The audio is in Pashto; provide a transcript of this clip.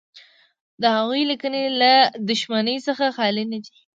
د هغوی لیکنې له دښمنۍ څخه خالي نه دي.